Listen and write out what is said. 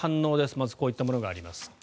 まずこういったものがあります。